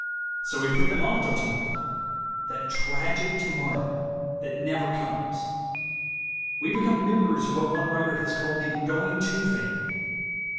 So we put them off till tomorrow — that tragic tomorrow that never comes. We become members of what one writer has called the "Going To" family.